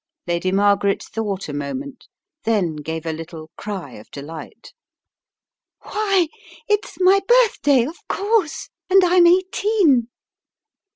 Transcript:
Lady Margaret thought a moment, then gave a little cry of delight. "Why, it's my birthday, of course, and I'm eighteen."